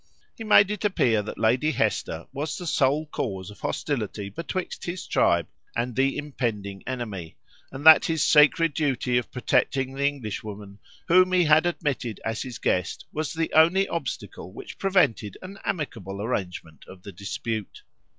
He made it appear that Lady Hester was the sole cause of hostility betwixt his tribe and the impending enemy, and that his sacred duty of protecting the Englishwoman whom he had admitted as his guest was the only obstacle which prevented an amicable arrangement of the dispute.